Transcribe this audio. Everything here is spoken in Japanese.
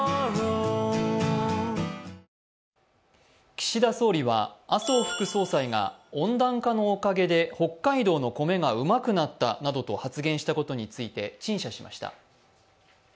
岸田総理は麻生副総裁が温暖化のおかげで北海道の米がうまくなったなどと発言したことについて、陳謝しました。